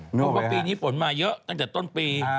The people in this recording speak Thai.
เพราะว่าปีนี้ฝนมาเยอะตั้งแต่ต้นปี